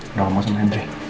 udah mau masuk ke hendry